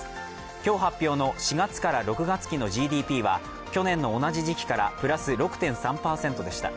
今日発表の４月から６月期のＧＤＰは去年の同じ時期からプラス６．３％でした。